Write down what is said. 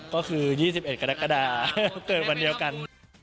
ก็คือ๒๑กรกฎาเกิดวันเดียวกัน